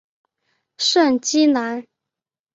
圣基兰。